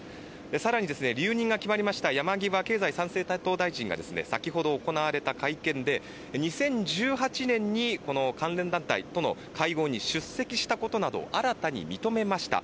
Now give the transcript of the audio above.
更に留任が決まりました山際経済再生担当大臣が先ほど行われた会見で２０１８年に関連団体との会合に出席したことなどを新たに認めました。